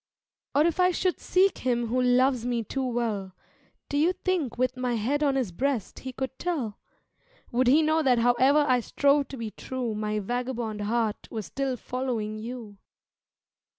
Or if I should seek him who loves me too well, Do you think with my head on his breast he could tell? Would he know that however I strove to be true My vagabond heart was still following you?